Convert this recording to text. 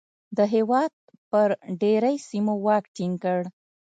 د هېواد پر ډېری سیمو واک ټینګ کړ.